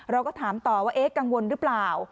เราก็ถามต่อว่ากังวลหรือเปล่า